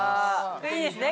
いいですね？